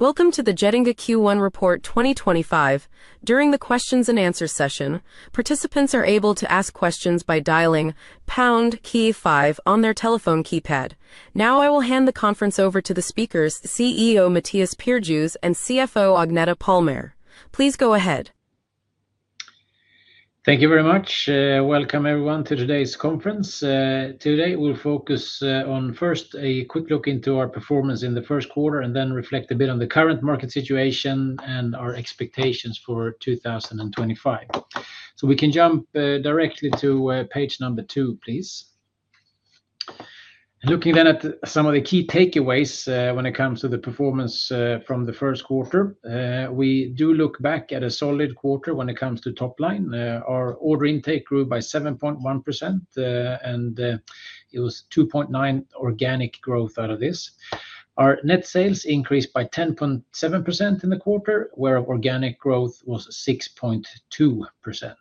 Welcome to the Getinge Q1 Report 2025. During the Q&A session, participants are able to ask questions by dialing #KEY5 on their telephone keypad. Now, I will hand the conference over to the speakers, CEO Mattias Perjos and CFO Agneta Palmér. Please go ahead. Thank you very much. Welcome, everyone, to today's conference. Today, we'll focus on, first, a quick look into our performance in the Q1r, and then reflect a bit on the current market situation and our expectations for 2025. We can jump directly to page number two, please. Looking then at some of the key takeaways when it comes to the performance from the Q1r, we do look back at a solid quarter when it comes to top line. Our order intake grew by 7.1%, and it was 2.9% organic growth out of this. Our net sales increased by 10.7% in the quarter, where organic growth was 6.2%.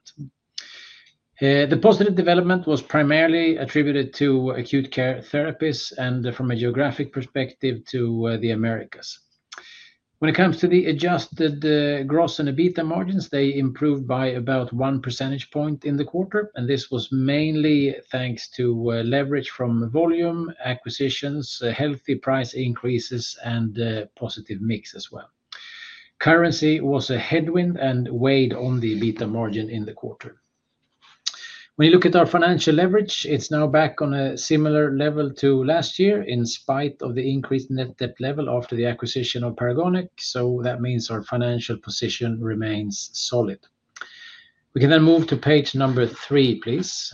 The positive development was primarily attributed to acute care therapies and, from a geographic perspective, to the Americas. When it comes to the adjusted gross and EBITDA margins, they improved by about one percentage point in the quarter, and this was mainly thanks to leverage from volume, acquisitions, healthy price increases, and a positive mix as well. Currency was a headwind and weighed on the EBITDA margin in the quarter. When you look at our financial leverage, it's now back on a similar level to last year, in spite of the increased net debt level after the acquisition of Paragonix, so that means our financial position remains solid. We can then move to page number three, please.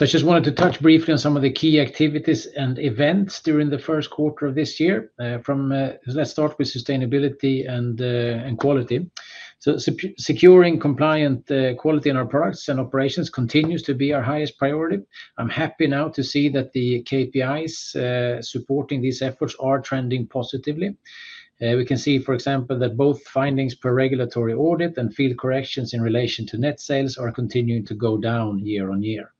I just wanted to touch briefly on some of the key activities and events during the Q1r of this year. Let's start with sustainability and quality. Securing compliant quality in our products and operations continues to be our highest priority. I'm happy now to see that the KPIs supporting these efforts are trending positively. We can see, for example, that both findings per regulatory audit and field corrections in relation to net sales are continuing to go down year on year.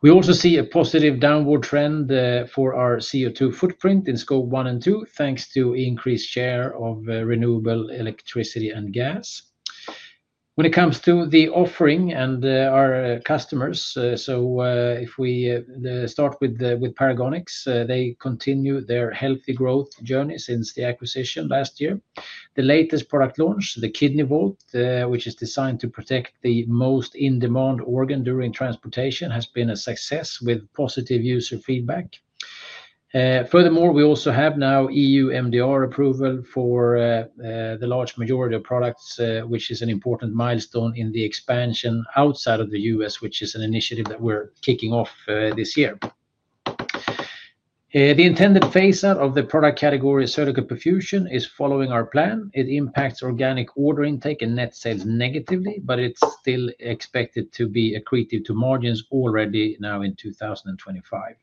We also see a positive downward trend for our CO2 footprint in scope one and two, thanks to the increased share of renewable electricity and gas. When it comes to the offering and our customers, if we start with Paragonix, they continue their healthy growth journey since the acquisition last year. The latest product launch, the KidneyVault, which is designed to protect the most in-demand organ during transportation, has been a success with positive user feedback. Furthermore, we also have now EU MDR approval for the large majority of products, which is an important milestone in the expansion outside of the US, which is an initiative that we're kicking off this year. The intended phase-out of the product category cervical perfusion is following our plan. It impacts organic order intake and net sales negatively, but it's still expected to be accretive to margins already now in 2025.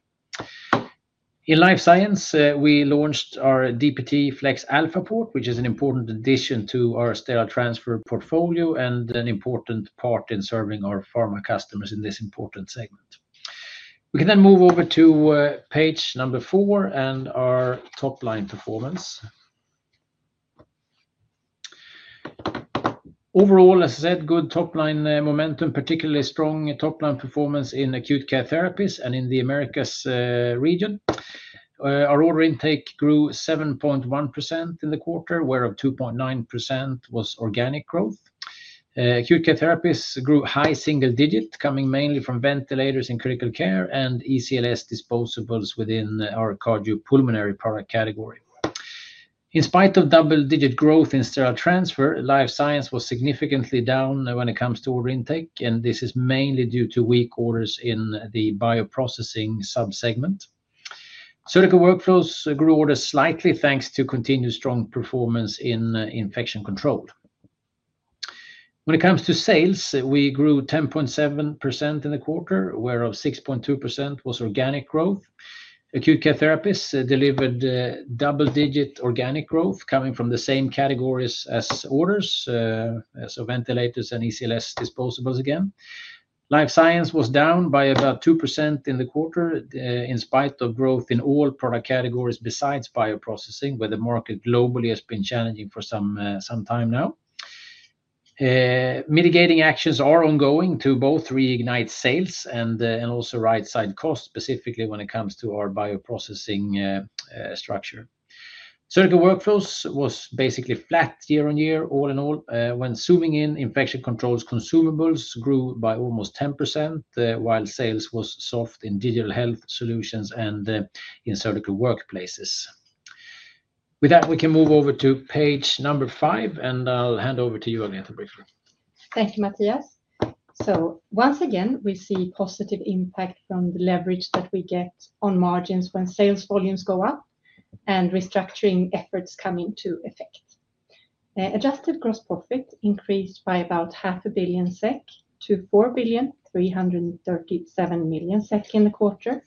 In life science, we launched our DPTE-FLEX Alpha port, which is an important addition to our sterile transfer portfolio and an important part in serving our pharma customers in this important segment. We can then move over to page number four and our top line performance. Overall, as I said, good top line momentum, particularly strong top line performance in acute care therapies and in the Americas region. Our order intake grew 7.1% in the quarter, where 2.9% was organic growth. Acute care therapies grew high single digit, coming mainly from ventilators in critical care and ECLS disposables within our cardiopulmonary product category. In spite of double-digit growth in sterile transfer, life science was significantly down when it comes to order intake, and this is mainly due to weak orders in the bioprocessing subsegment. Surgical workflows grew orders slightly thanks to continued strong performance in infection control. When it comes to sales, we grew 10.7% in the quarter, where 6.2% was organic growth. Acute care therapies delivered double-digit organic growth, coming from the same categories as orders, so ventilators and ECLS disposables again. Life science was down by about 2% in the quarter, in spite of growth in all product categories besides bioprocessing, where the market globally has been challenging for some time now. Mitigating actions are ongoing to both reignite sales and also right-size costs, specifically when it comes to our bioprocessing structure. Cervical workflows were basically flat year on year. All in all, when zooming in, infection control consumables grew by almost 10%, while sales were soft in digital health solutions and in surgical workplaces. With that, we can move over to page number five, and I'll hand over to you, Agneta, briefly. Thank you, Mattias. Once again, we see a positive impact from the leverage that we get on margins when sales volumes go up and restructuring efforts come into effect. Adjusted gross profit increased by about 500,000,000 SEK to 4,337,000,000 SEK in the quarter,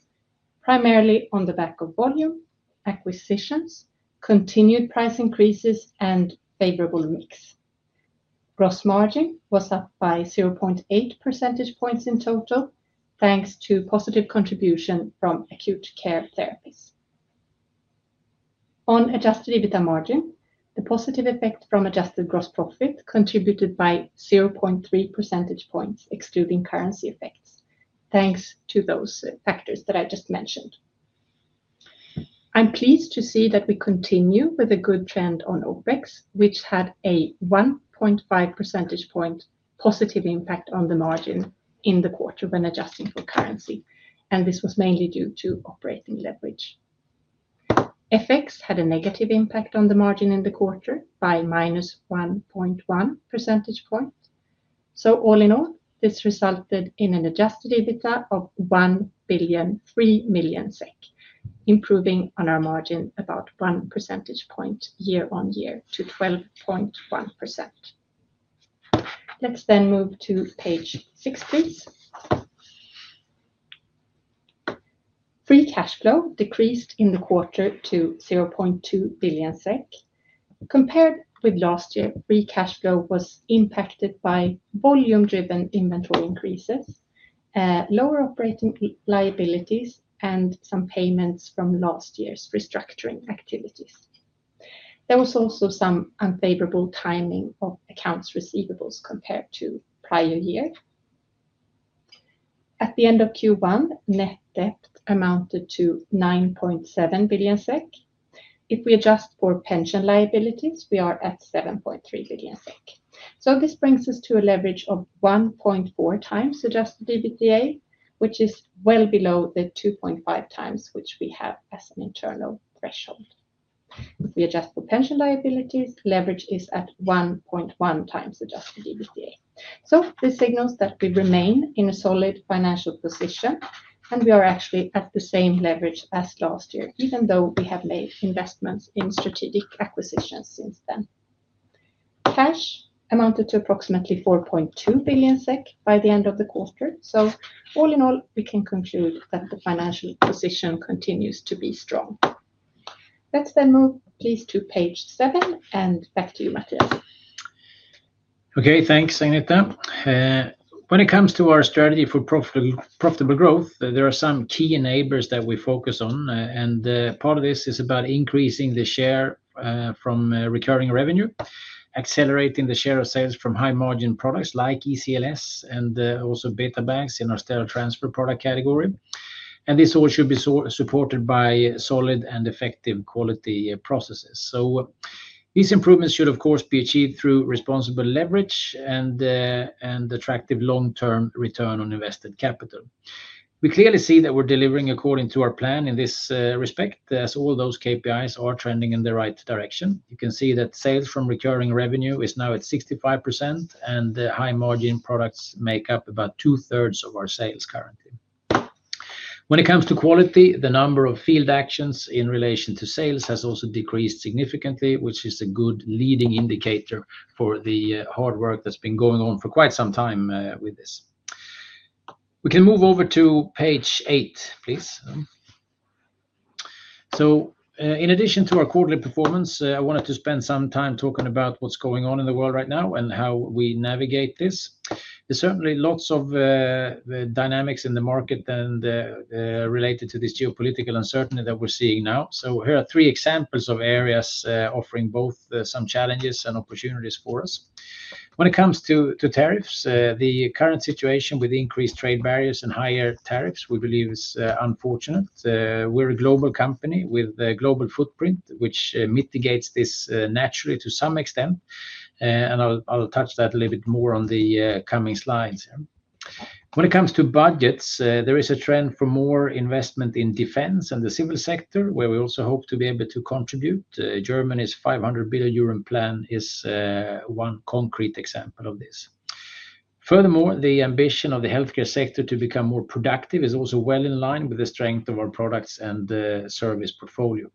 primarily on the back of volume, acquisitions, continued price increases, and a favorable mix. Gross margin was up by 0.8 percentage points in total, thanks to positive contribution from Acute Care Therapies. On adjusted EBITDA margin, the positive effect from adjusted gross profit contributed by 0.3 percentage points, excluding currency effects, thanks to those factors that I just mentioned. I'm pleased to see that we continue with a good trend on OPEX, which had a 1.5 percentage point positive impact on the margin in the quarter when adjusting for currency, and this was mainly due to operating leverage. FX had a negative impact on the margin in the quarter by minus 1.1 percentage point. All in all, this resulted in an adjusted EBITDA of 1,003 million SEK, improving our margin about one percentage point year on year to 12.1%. Let's then move to page six, please. Free cash flow decreased in the quarter to 0.2 billion SEK. Compared with last year, free cash flow was impacted by volume-driven inventory increases, lower operating liabilities, and some payments from last year's restructuring activities. There was also some unfavorable timing of accounts receivables compared to the prior year. At the end of Q1, net debt amounted to 9.7 billion SEK. If we adjust for pension liabilities, we are at 7.3 billion SEK. This brings us to a leverage of 1.4 times adjusted EBITDA, which is well below the 2.5 times which we have as an internal threshold. If we adjust for pension liabilities, leverage is at 1.1 times adjusted EBITDA. This signals that we remain in a solid financial position, and we are actually at the same leverage as last year, even though we have made investments in strategic acquisitions since then. Cash amounted to approximately 4.2 billion SEK by the end of the quarter. All in all, we can conclude that the financial position continues to be strong. Let's then move, please, to page seven, and back to you, Mattias. Okay, thanks, Agneta. When it comes to our strategy for profitable growth, there are some key enablers that we focus on, and part of this is about increasing the share from recurring revenue, accelerating the share of sales from high-margin products like ECLS and also Betabags in our sterile transfer product category. This all should be supported by solid and effective quality processes. These improvements should, of course, be achieved through responsible leverage and an attractive long-term return on invested capital. We clearly see that we're delivering according to our plan in this respect, as all those KPIs are trending in the right direction. You can see that sales from recurring revenue is now at 65%, and high-margin products make up about two-thirds of our sales currently. When it comes to quality, the number of field actions in relation to sales has also decreased significantly, which is a good leading indicator for the hard work that's been going on for quite some time with this. We can move over to page eight, please. In addition to our quarterly performance, I wanted to spend some time talking about what's going on in the world right now and how we navigate this. There's certainly lots of dynamics in the market related to this geopolitical uncertainty that we're seeing now. Here are three examples of areas offering both some challenges and opportunities for us. When it comes to tariffs, the current situation with increased trade barriers and higher tariffs, we believe, is unfortunate. We're a global company with a global footprint, which mitigates this naturally to some extent, and I'll touch that a little bit more on the coming slides. When it comes to budgets, there is a trend for more investment in defense and the civil sector, where we also hope to be able to contribute. Germany's 500 billion euro plan is one concrete example of this. Furthermore, the ambition of the healthcare sector to become more productive is also well in line with the strength of our products and service portfolio.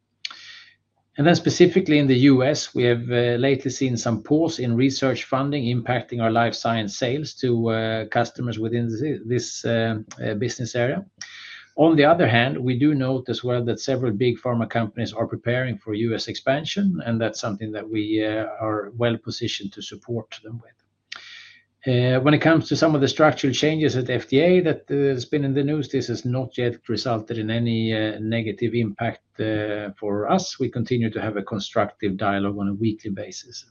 Specifically in the US, we have lately seen some pause in research funding impacting our life science sales to customers within this business area. On the other hand, we do note as well that several big pharma companies are preparing for US expansion, and that's something that we are well positioned to support them with. When it comes to some of the structural changes at FDA that have been in the news, this has not yet resulted in any negative impact for us. We continue to have a constructive dialogue on a weekly basis.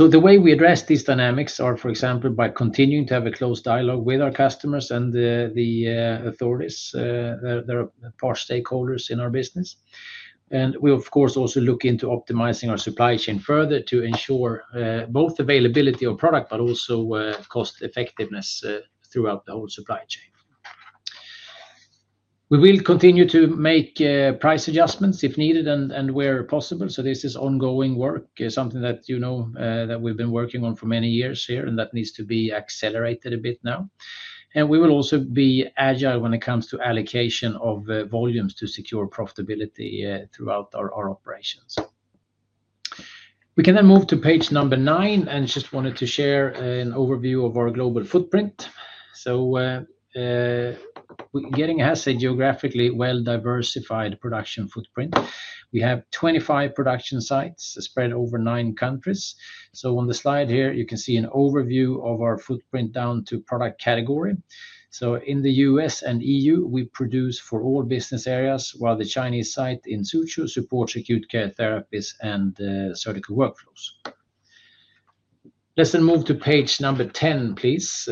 The way we address these dynamics is, for example, by continuing to have a close dialogue with our customers and the authorities that are stakeholders in our business. We, of course, also look into optimizing our supply chain further to ensure both availability of product but also cost-effectiveness throughout the whole supply chain. We will continue to make price adjustments if needed and where possible. This is ongoing work, something that we've been working on for many years here, and that needs to be accelerated a bit now. We will also be agile when it comes to allocation of volumes to secure profitability throughout our operations. We can then move to page number nine, and I just wanted to share an overview of our global footprint. We are getting a geographically well-diversified production footprint. We have 25 production sites spread over nine countries. On the slide here, you can see an overview of our footprint down to product category. In the US and EU, we produce for all business areas, while the Chinese site in Suzhou supports acute care therapies and surgical workflows. Let's then move to page number 10, please.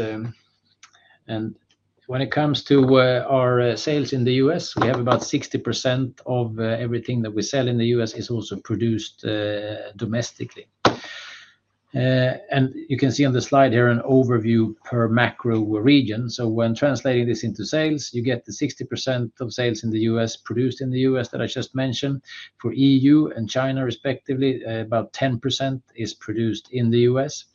When it comes to our sales in the US, about 60% of everything that we sell in the US is also produced domestically. You can see on the slide here an overview per macro region. When translating this into sales, you get the 60% of sales in the US produced in the US that I just mentioned. For EU and China, respectively, about 10% is produced in the US,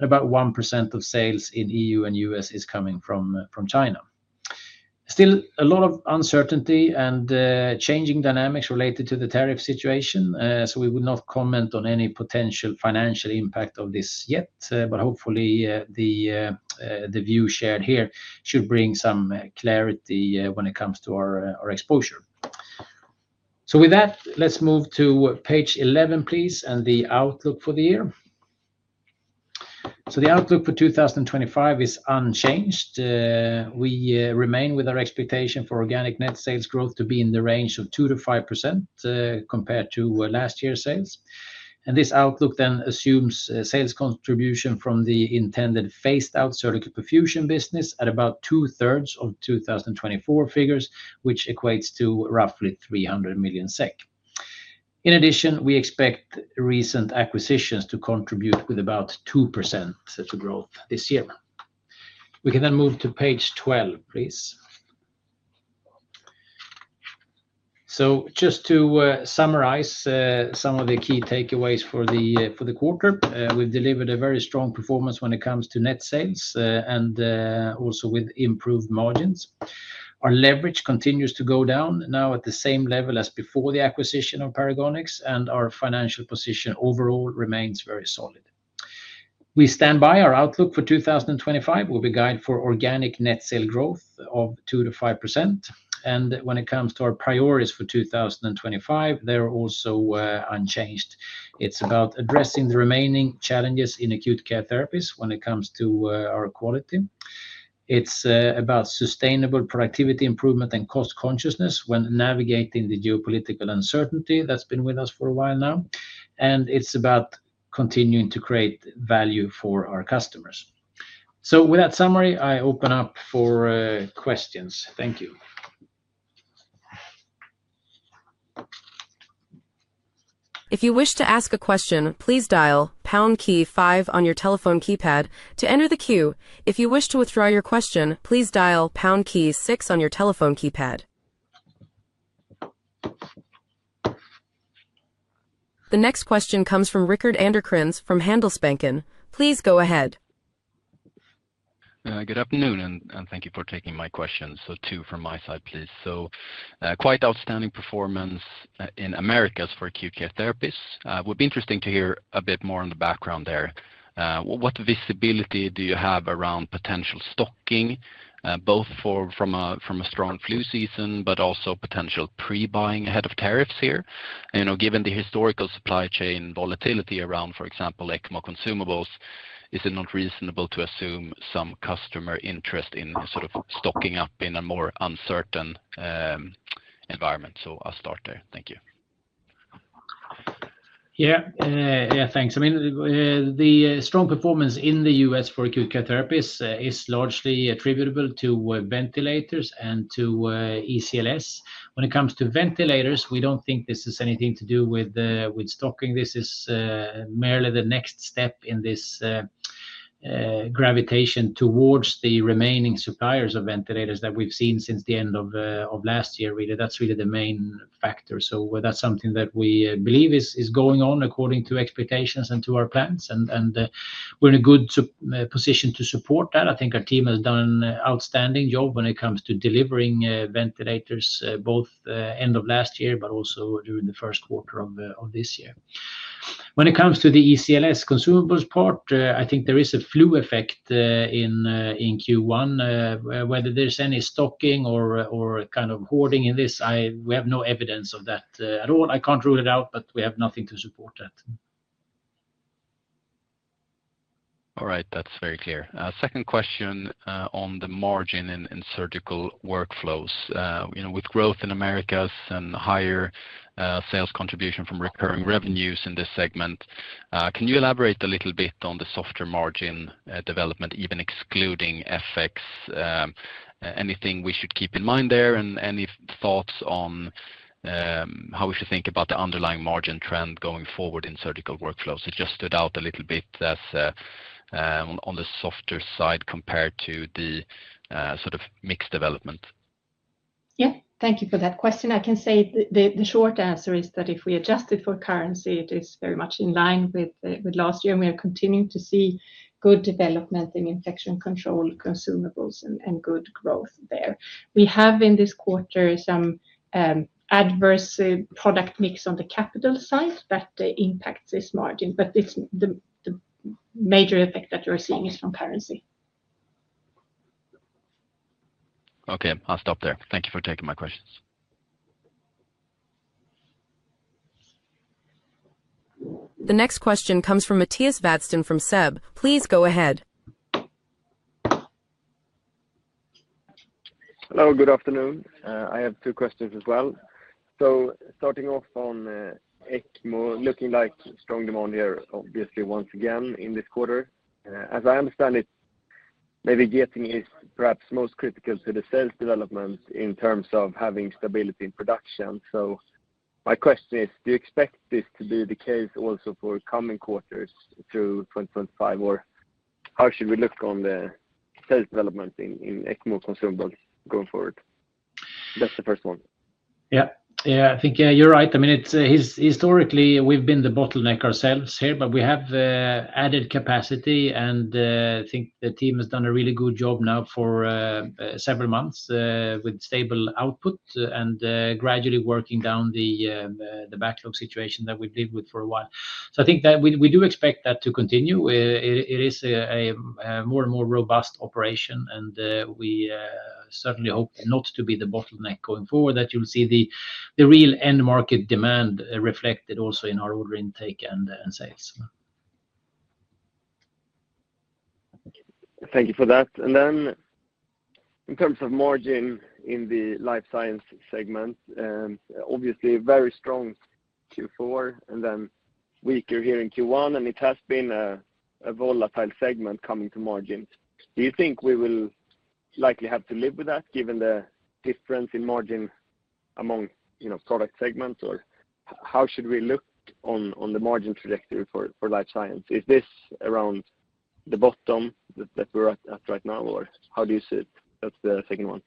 and about 1% of sales in EU and US is coming from China. Still, a lot of uncertainty and changing dynamics related to the tariff situation, so we would not comment on any potential financial impact of this yet, but hopefully the view shared here should bring some clarity when it comes to our exposure. With that, let's move to page 11, please, and the outlook for the year. The outlook for 2025 is unchanged. We remain with our expectation for organic net sales growth to be in the range of 2 to 5% compared to last year's sales. This outlook then assumes sales contribution from the intended phased-out cervical perfusion business at about two-thirds of 2024 figures, which equates to roughly 300 million SEK. In addition, we expect recent acquisitions to contribute with about 2% of the growth this year. We can then move to page 12, please. Just to summarize some of the key takeaways for the quarter, we've delivered a very strong performance when it comes to net sales and also with improved margins. Our leverage continues to go down, now at the same level as before the acquisition of Paragonix, and our financial position overall remains very solid. We stand by our outlook for 2025. We will be guided for organic net sale growth of 2 to 5%. When it comes to our priorities for 2025, they're also unchanged. It's about addressing the remaining challenges in Acute Care Therapies when it comes to our quality. It's about sustainable productivity improvement and cost consciousness when navigating the geopolitical uncertainty that's been with us for a while now. It is about continuing to create value for our customers. With that summary, I open up for questions. Thank you. If you wish to ask a question, please dial pound key five on your telephone keypad to enter the queue. If you wish to withdraw your question, please dial pound key six on your telephone keypad. The next question comes from Rickard Anderkrans from Handelsbanken. Please go ahead. Good afternoon, and thank you for taking my question. Two from my side, please. Quite outstanding performance in Americas for acute care therapies. It would be interesting to hear a bit more on the background there. What visibility do you have around potential stocking, both from a strong flu season but also potential pre-buying ahead of tariffs here? Given the historical supply chain volatility around, for example, ECMO consumables, is it not reasonable to assume some customer interest in sort of stocking up in a more uncertain environment? I'll start there. Thank you. Yeah, thanks. I mean, the strong performance in the US for acute care therapies is largely attributable to ventilators and to ECLS. When it comes to ventilators, we don't think this has anything to do with stocking. This is merely the next step in this gravitation towards the remaining suppliers of ventilators that we've seen since the end of last year. That's really the main factor. That is something that we believe is going on according to expectations and to our plans, and we're in a good position to support that. I think our team has done an outstanding job when it comes to delivering ventilators, both end of last year but also during the Q1r of this year. When it comes to the ECLS consumables part, I think there is a flu effect in Q1. Whether there's any stocking or kind of hoarding in this, we have no evidence of that at all. I can't rule it out, but we have nothing to support that. All right, that's very clear. Second question on the margin in surgical workflows. With growth in Americas and higher sales contribution from recurring revenues in this segment, can you elaborate a little bit on the software margin development, even excluding FX? Anything we should keep in mind there, and any thoughts on how we should think about the underlying margin trend going forward in surgical workflows? It just stood out a little bit on the softer side compared to the sort of mixed development. Yeah, thank you for that question. I can say the short answer is that if we adjust it for currency, it is very much in line with last year, and we are continuing to see good development in infection control consumables and good growth there. We have in this quarter some adverse product mix on the capital side that impacts this margin, but the major effect that you're seeing is from currency. Okay, I'll stop there. Thank you for taking my questions. The next question comes from Mattias Vadsten from SEB. Please go ahead. Hello, good afternoon. I have two questions as well. Starting off on ECMO, looking like strong demand here, obviously, once again in this quarter. As I understand it, maybe Getinge is perhaps most critical to the sales development in terms of having stability in production. My question is, do you expect this to be the case also for coming quarters through 2025, or how should we look on the sales development in ECMO consumables going forward? That's the first one. Yeah, yeah, I think you're right. I mean, historically, we've been the bottleneck ourselves here, but we have added capacity, and I think the team has done a really good job now for several months with stable output and gradually working down the backlog situation that we've dealt with for a while. I think that we do expect that to continue. It is a more and more robust operation, and we certainly hope not to be the bottleneck going forward, that you'll see the real end-market demand reflected also in our order intake and sales. Thank you for that. In terms of margin in the life science segment, obviously very strong Q4 and then weaker here in Q1, and it has been a volatile segment coming to margins. Do you think we will likely have to live with that given the difference in margin among product segments, or how should we look on the margin trajectory for life science? Is this around the bottom that we're at right now, or how do you see it? That's the second one.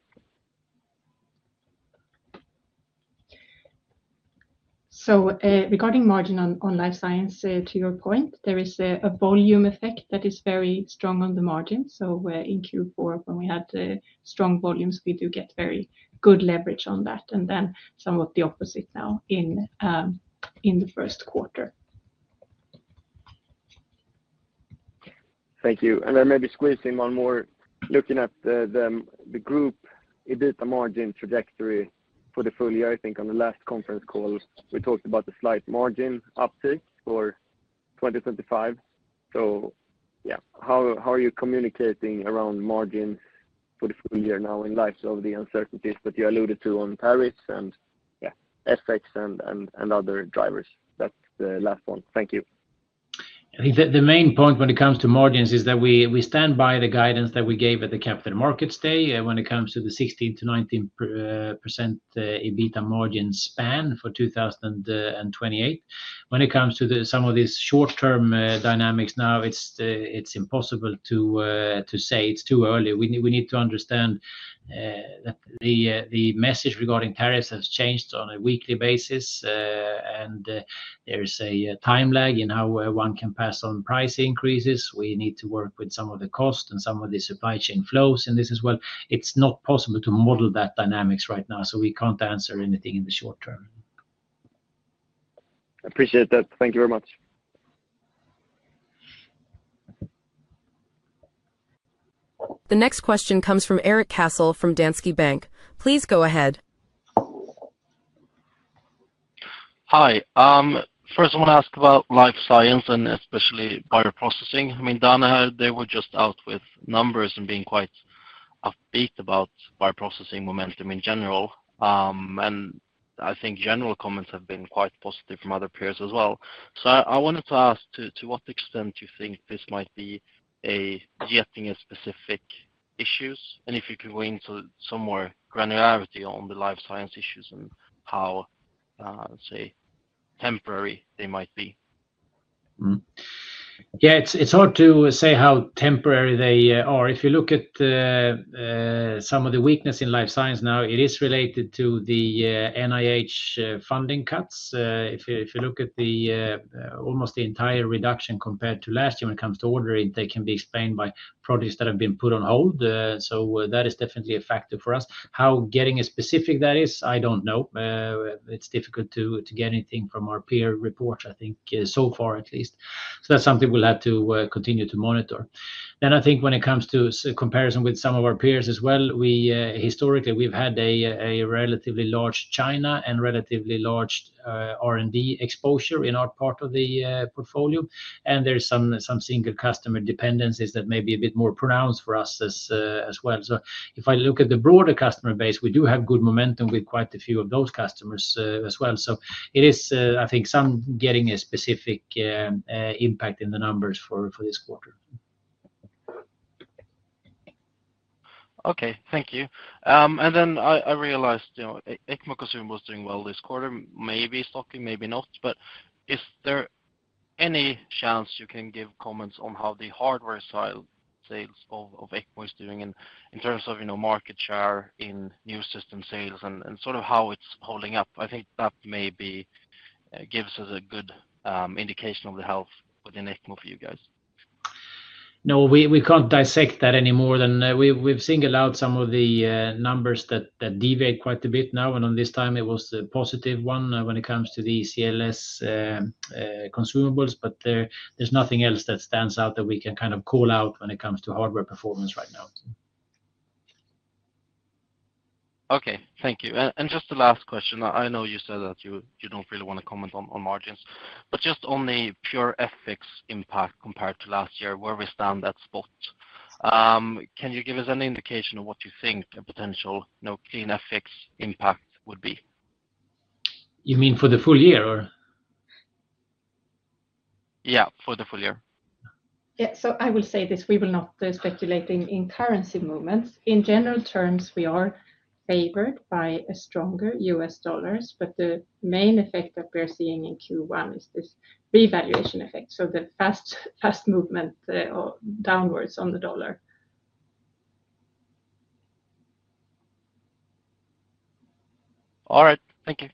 Regarding margin on life science, to your point, there is a volume effect that is very strong on the margin. In Q4, when we had strong volumes, we do get very good leverage on that, and then somewhat the opposite now in the Q1r. Thank you. Maybe squeezing one more, looking at the group EBITDA margin trajectory for the full year, I think on the last conference call, we talked about the slight margin uptick for 2025. How are you communicating around margins for the full year now in light of the uncertainties that you alluded to on Paris and FX and other drivers? That is the last one. Thank you. I think the main point when it comes to margins is that we stand by the guidance that we gave at the Capital Markets Day when it comes to the 16 to 19% EBITDA margin span for 2028. When it comes to some of these short-term dynamics now, it's impossible to say it's too early. We need to understand that the message regarding Paris has changed on a weekly basis, and there is a time lag in how one can pass on price increases. We need to work with some of the cost and some of the supply chain flows in this as well. It's not possible to model that dynamics right now, so we can't answer anything in the short term. Appreciate that. Thank you very much. The next question comes from Erik Cassel from Danske Bank. Please go ahead. Hi. First, I want to ask about life science and especially bioprocessing. I mean, Danaher, they were just out with numbers and being quite upbeat about bioprocessing momentum in general. I think general comments have been quite positive from other peers as well. I wanted to ask to what extent you think this might be Getinge-specific issues, and if you could go into some more granularity on the life science issues and how, say, temporary they might be. Yeah, it's hard to say how temporary they are. If you look at some of the weakness in life science now, it is related to the NIH funding cuts. If you look at almost the entire reduction compared to last year when it comes to ordering, they can be explained by products that have been put on hold. That is definitely a factor for us. How getting as specific that is, I don't know. It's difficult to get anything from our peer reports, I think, so far at least. That's something we'll have to continue to monitor. I think when it comes to comparison with some of our peers as well, historically, we've had a relatively large China and relatively large R&D exposure in our part of the portfolio, and there's some single customer dependencies that may be a bit more pronounced for us as well. If I look at the broader customer base, we do have good momentum with quite a few of those customers as well. It is, I think, some getting a specific impact in the numbers for this quarter. Okay, thank you.I realized ECMO consumables doing well this quarter, maybe stocking, maybe not, but is there any chance you can give comments on how the hardware sales of ECMO is doing in terms of market share in new system sales and sort of how it's holding up? I think that maybe gives us a good indication of the health within ECMO for you guys. No, we can't dissect that anymore. We've singled out some of the numbers that deviate quite a bit now, and this time, it was a positive one when it comes to the ECLS consumables, but there's nothing else that stands out that we can kind of call out when it comes to hardware performance right now. Okay, thank you. Just the last question. I know you said that you do not really want to comment on margins, but just on the pure FX impact compared to last year, where we stand at spot, can you give us any indication of what you think a potential clean FX impact would be? You mean for the full year, or? Yeah, for the full year. Yeah, so I will say this. We will not speculate in currency movements. In general terms, we are favored by a stronger US dollars, but the main effect that we're seeing in Q1 is this revaluation effect. The fast movement downwards on the dollar. All right, thank you.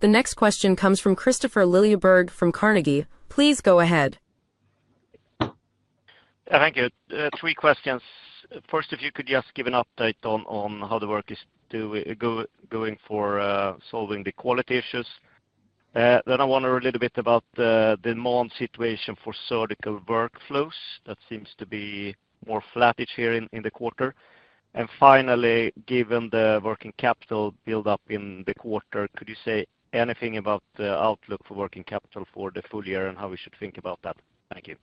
The next question comes from Christopher Lilleberg from Carnegie. Please go ahead. Thank you. Three questions. First, if you could just give an update on how the work is going for solving the quality issues. Then I wonder a little bit about the demand situation for surgical workflows. That seems to be more flattish here in the quarter. Finally, given the working capital build-up in the quarter, could you say anything about the outlook for working capital for the full year and how we should think about that? Thank you.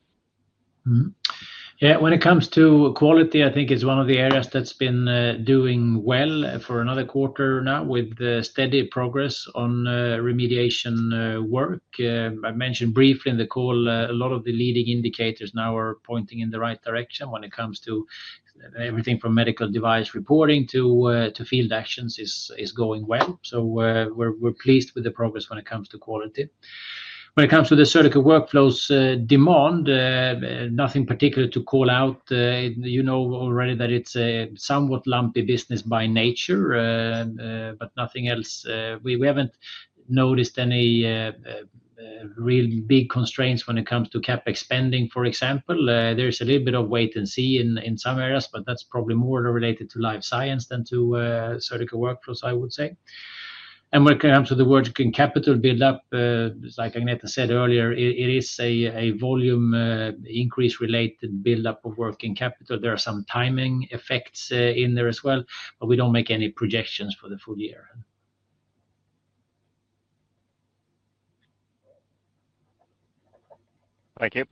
Yeah, when it comes to quality, I think it's one of the areas that's been doing well for another quarter now with steady progress on remediation work. I mentioned briefly in the call, a lot of the leading indicators now are pointing in the right direction when it comes to everything from medical device reporting to field actions is going well. We are pleased with the progress when it comes to quality. When it comes to the surgical workflows demand, nothing particular to call out. You know already that it's a somewhat lumpy business by nature, but nothing else. We haven't noticed any real big constraints when it comes to CapEx spending, for example. There's a little bit of wait and see in some areas, but that's probably more related to life science than to surgical workflows, I would say. When it comes to the working capital build-up, like Agneta Palmér said earlier, it is a volume increase-related build-up of working capital. There are some timing effects in there as well, but we do not make any projections for the full year. Thank you.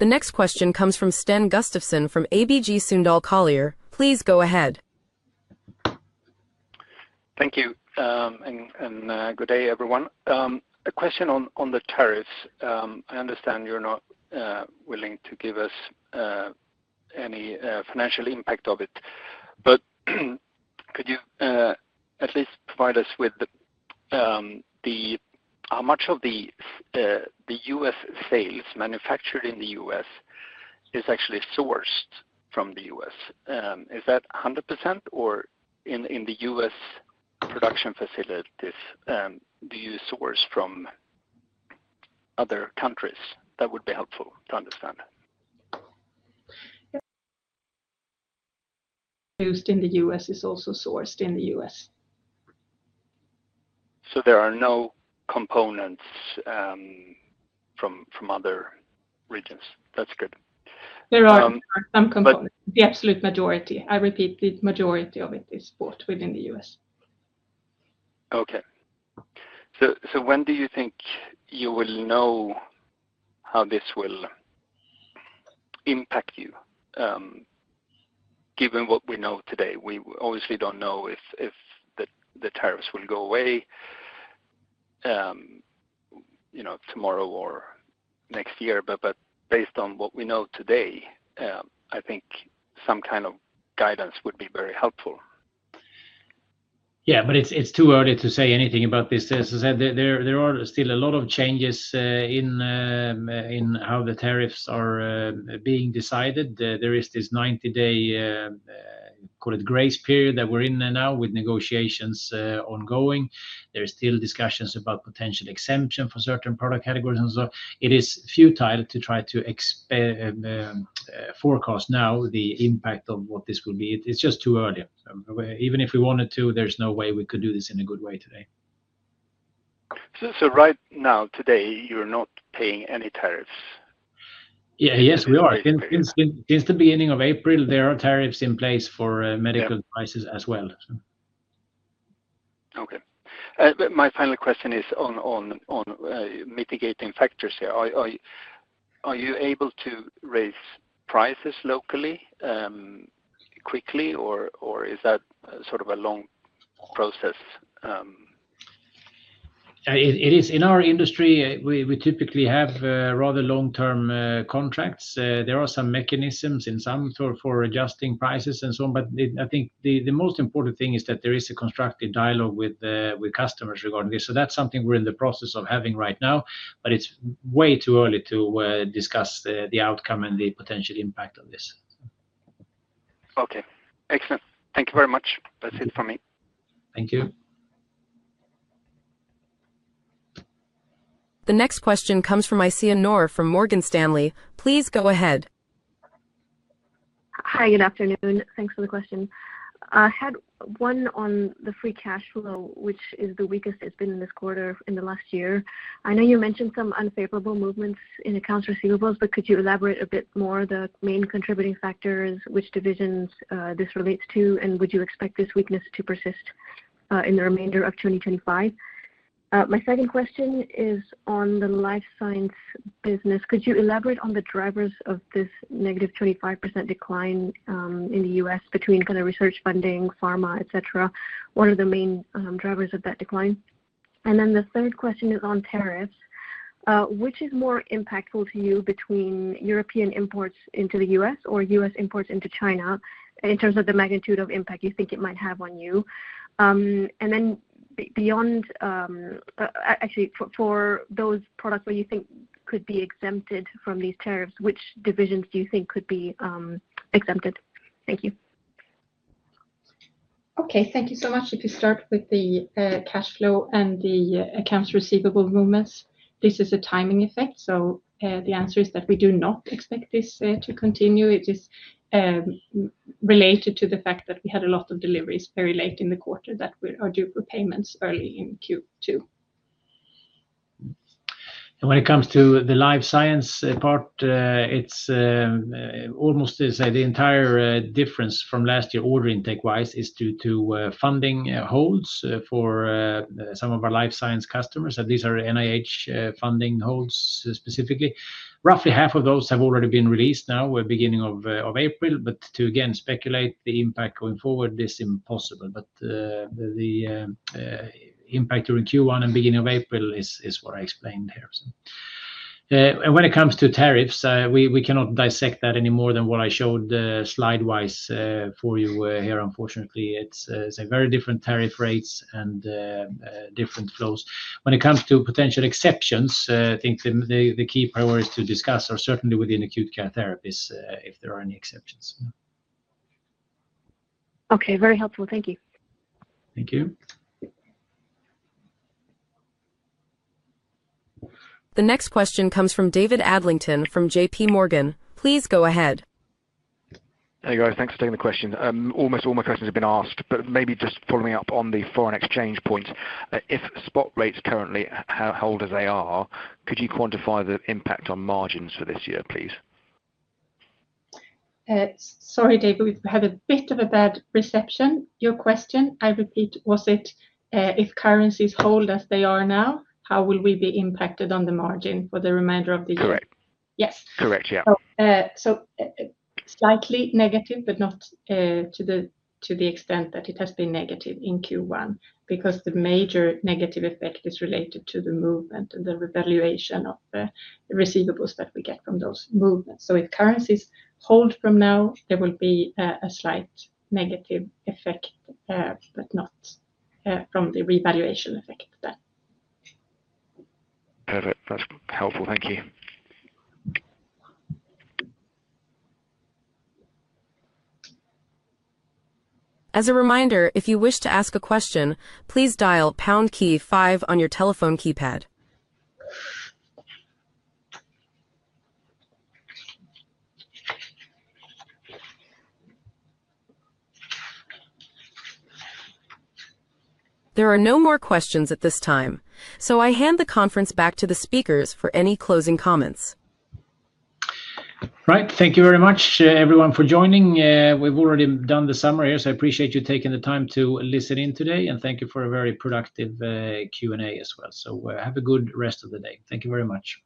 The next question comes from Sten Gustafson from ABG Sundal Collier. Please go ahead. Thank you and good day, everyone. A question on the tariffs. I understand you're not willing to give us any financial impact of it, but could you at least provide us with how much of the US sales manufactured in the US is actually sourced from the US? Is that 100%, or in the US production facilities, do you source from other countries? That would be helpful to understand. Used in the US is also sourced in the US There are no components from other regions. That's good. There are some components. The absolute majority, I repeat, the majority of it is bought within the US Okay. When do you think you will know how this will impact you, given what we know today? We obviously do not know if the tariffs will go away tomorrow or next year, but based on what we know today, I think some kind of guidance would be very helpful. Yeah, but it's too early to say anything about this. As I said, there are still a lot of changes in how the tariffs are being decided. There is this 90-day, call it grace period, that we're in now with negotiations ongoing. There are still discussions about potential exemption for certain product categories and so on. It is futile to try to forecast now the impact of what this will be. It's just too early. Even if we wanted to, there's no way we could do this in a good way today. Right now, today, you're not paying any tariffs? Yeah, yes, we are. Since the beginning of April, there are tariffs in place for medical devices as well. Okay. My final question is on mitigating factors here. Are you able to raise prices locally quickly, or is that sort of a long process? It is. In our industry, we typically have rather long-term contracts. There are some mechanisms in some for adjusting prices and so on, but I think the most important thing is that there is a constructive dialogue with customers regarding this. That is something we are in the process of having right now, but it is way too early to discuss the outcome and the potential impact of this. Okay. Excellent. Thank you very much. That's it from me. Thank you. The next question comes from Isaiah Noor from Morgan Stanley. Please go ahead. Hi, good afternoon. Thanks for the question. I had one on the free cash flow, which is the weakest it's been in this quarter in the last year. I know you mentioned some unfavorable movements in accounts receivables, but could you elaborate a bit more on the main contributing factors, which divisions this relates to, and would you expect this weakness to persist in the remainder of 2025? My second question is on the life science business. Could you elaborate on the drivers of this negative 25% decline in the US between kind of research funding, pharma, etc.? What are the main drivers of that decline? My third question is on tariffs. Which is more impactful to you, between European imports into the US or US imports into China, in terms of the magnitude of impact you think it might have on you? Actually, for those products where you think could be exempted from these tariffs, which divisions do you think could be exempted? Thank you. Okay, thank you so much. If you start with the cash flow and the accounts receivable movements, this is a timing effect. The answer is that we do not expect this to continue. It is related to the fact that we had a lot of deliveries very late in the quarter that are due for payments early in Q2. When it comes to the life science part, it's almost the entire difference from last year order intake-wise is due to funding holds for some of our life science customers. These are NIH funding holds specifically. Roughly half of those have already been released now, beginning of April. To, again, speculate the impact going forward, this is impossible. The impact during Q1 and beginning of April is what I explained here. When it comes to tariffs, we cannot dissect that any more than what I showed slide-wise for you here. Unfortunately, it's very different tariff rates and different flows. When it comes to potential exceptions, I think the key priorities to discuss are certainly within acute care therapies if there are any exceptions. Okay, very helpful. Thank you. Thank you. The next question comes from David Adlington from JP Morgan. Please go ahead. Hey, guys. Thanks for taking the question. Almost all my questions have been asked, but maybe just following up on the foreign exchange point. If spot rates currently hold as they are, could you quantify the impact on margins for this year, please? Sorry, David, we've had a bit of a bad reception. Your question, I repeat, was it if currencies hold as they are now, how will we be impacted on the margin for the remainder of the year? Correct. Yes. Correct, yeah. Slightly negative, but not to the extent that it has been negative in Q1, because the major negative effect is related to the movement and the revaluation of the receivables that we get from those movements. If currencies hold from now, there will be a slight negative effect, but not from the revaluation effect then. Perfect. That's helpful. Thank you. As a reminder, if you wish to ask a question, please dial pound key 5 on your telephone keypad. There are no more questions at this time, so I hand the conference back to the speakers for any closing comments. Right. Thank you very much, everyone, for joining. We have already done the summary here, so I appreciate you taking the time to listen in today, and thank you for a very productive Q&A as well. Have a good rest of the day. Thank you very much.